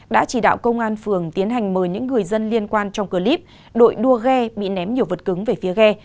đã chỉ đạo công an phường tiến hành mời những người dân liên quan trong clip đội đua ghe bị ném nhiều vật cứng về phía ghe